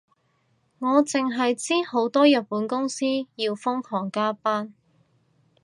我淨係知好多日本公司要瘋狂加班